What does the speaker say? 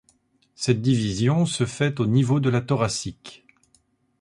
Cette division se fait au niveau de la thoracique.